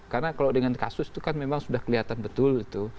karena kalau dengan kasus itu kan memang sudah kelihatan betul itu